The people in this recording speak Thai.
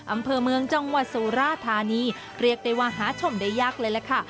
อำเภอเมืองจังหวัดสุราธานีเรียกได้ว่าหาชมได้ยากเลยล่ะค่ะ